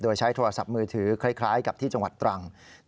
โดยใช้โทรศัพท์มือถือคล้ายกับที่จังหวัดตรัง